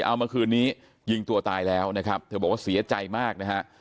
เอาเมื่อคืนนี้ยิงตัวตายแล้วนะครับเธอบอกว่าเสียใจมากนะฮะ